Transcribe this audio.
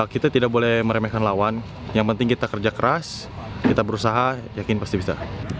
kita tidak boleh meremehkan lawan yang penting kita kerja keras kita berusaha yakin pasti bisa